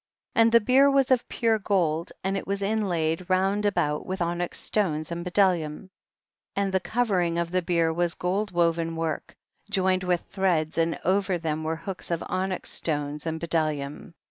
36. And the bier was of pure gold, and it was inlaid round about with onyx stones and bdellium ; and the covering of the bier was gold woven work, joined with threads, and over them were hooks of onyx stones and bdellium.